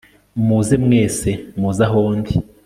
muze mwese muze aho ndi